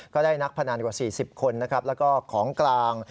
ก็ได้นักพนันกว่า๔๐คนแล้วก็ของกลาง